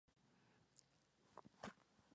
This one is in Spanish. Le Mesnil-Amand